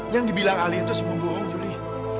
yang dibilang alia itu semua bohong julie